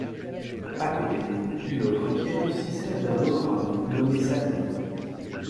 À côté, une autre qui est aussi celle d'un autre homme nommé Sabni.